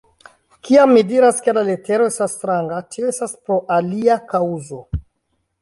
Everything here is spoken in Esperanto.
Kiam mi diras, ke la letero estas stranga, tio estas pro alia kaŭzo.